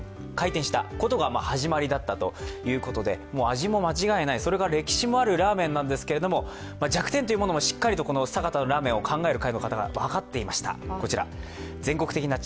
味も間違いない、歴史もあるラーメンなんですけど弱点というものもしっかりと酒田ラーメンを考える会の方は分かっていました。